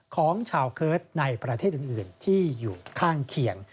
ของชาวเคิร์ตในประเทศอื่นที่อยู่ข้างเคียง